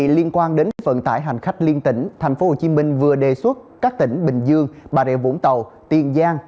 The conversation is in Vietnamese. liên quan đến vận tải hành khách liên tỉnh tp hcm vừa đề xuất các tỉnh bình dương bà rịa vũng tàu tiền giang